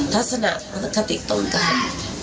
ทัศนะนักศักดิ์ตรงกัน